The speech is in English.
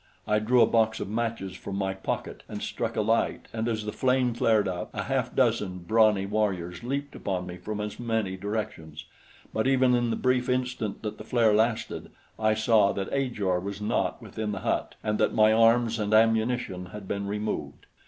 I drew a box of matches from my pocket and struck a light and as the flame flared up, a half dozen brawny warriors leaped upon me from as many directions; but even in the brief instant that the flare lasted, I saw that Ajor was not within the hut, and that my arms and ammunition had been removed.